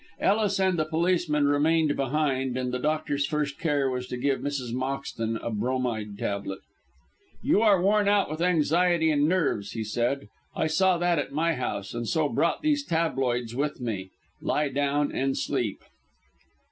Ellis and the policeman remained behind, and the doctor's first care was to give Mrs. Moxton a bromide tabloid. "You are worn out with anxiety and nerves," he said. "I saw that at my house, and so brought these tabloids with me. Lie down and sleep."